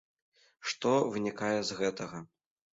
Што вынікае з гэтага?